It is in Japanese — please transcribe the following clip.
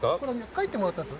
描いてもらったんです。